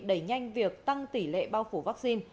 đẩy nhanh việc tăng tỷ lệ bao phủ vaccine